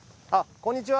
こんにちは。